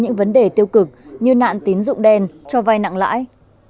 những vấn đề tiêu cực như nạn tín dụng đen cho vai nặng lãi